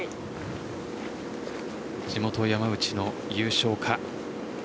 地元・山内の優勝か。